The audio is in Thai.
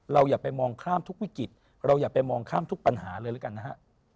อย่าไปมองข้ามทุกวิกฤตเราอย่าไปมองข้ามทุกปัญหาเลยแล้วกันนะฮะ